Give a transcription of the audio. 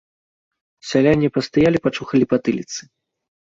Сяляне пастаялі, пачухалі патыліцы.